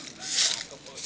ya kalau menurut saya